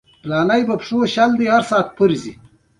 چېرته چي دي شتون او نه شتون سره برابر وي